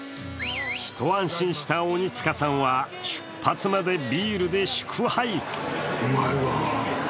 ひと安心した鬼塚さんは、出発までビールで祝杯。